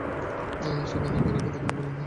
সেখানে গোরাকে দেখিতে পাইলেন না।